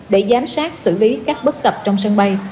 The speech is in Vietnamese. để giám sát xử lý các bức tập trong sân bay